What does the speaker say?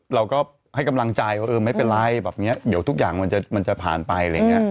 เราก็ให้กำลังใจว่าเออไม่เป็นไรแบบนี้เดี๋ยวทุกอย่างมันจะผ่านไปอะไรอย่างนี้